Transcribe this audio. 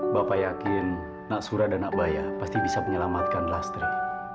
bapak yakin nak surah dan nak bayah pasti bisa menyelamatkan lastri